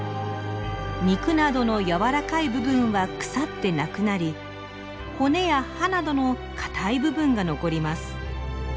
肉などのやわらかい部分は腐ってなくなり骨や歯などの硬い部分が残ります。